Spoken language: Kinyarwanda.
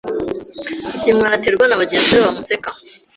ikimwaro aterwa na bagenzi be bamuseka.